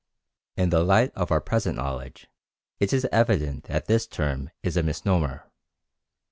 In the light of our present knowledge it is evident that this term is a misnomer.